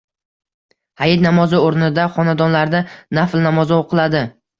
Hayit namozi oʻrnida xonadonlarda nafl namozi oʻqiladi